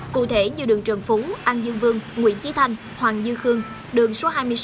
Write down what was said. cụ thể như đường trần phú an dương vương nguyễn trí thanh hoàng dư khương đường số hai mươi sáu